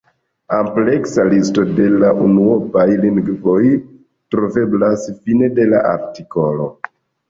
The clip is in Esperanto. Ampleksa listo de la unuopaj lingvoj troveblas fine de la artikolo.